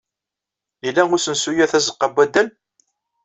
Ila usensu-a tazeɣɣa n waddal?